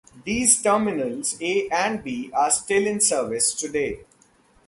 These terminals A and B are still in service today.